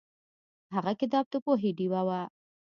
هغه کتاب د پوهې ډیوه وه.